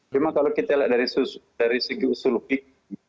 cuma kalau kita lihat dari segi usul fik